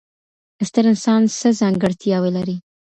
ستر انسان څه ځانګړتیاوې لري؟